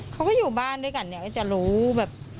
เขาก็อยู่บ้านด้วยกันเนี่ยก็จะรู้แบบ